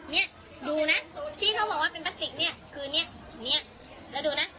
เนี้ยดูนะที่เขาบอกว่าเป็นปลาติกเนี่ยคืนเนี้ยเนี้ยแล้วดูนะ